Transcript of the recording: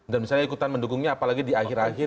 dan misalnya ikutan mendukungnya apalagi di akhir akhir